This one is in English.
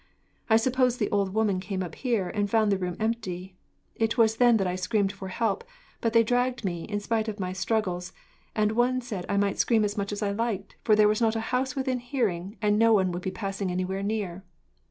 I suppose the old woman came up here, and found the room empty. It was then that I screamed for help, but they dragged me in, in spite of my struggles, and one said I might scream as much as I liked, for there was not a house within hearing, and no one would be passing anywhere near.